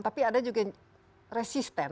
tapi ada juga yang resisten